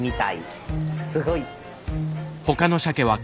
すごい。